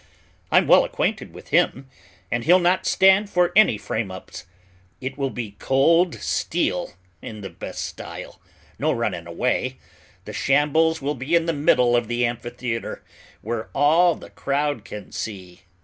I'm well acquainted with him, and he'll not stand for any frame ups. It will be cold steel in the best style, no running away, the shambles will be in the middle of the amphitheatre where all the crowd can see.